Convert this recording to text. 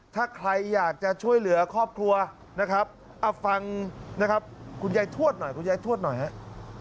ถ้าใครอยากจะช่วยเหลือครอบครัวนะครับเอาฟังนะครับคุณยายทวดหน่อยคุณยายทวดหน่อยฮะ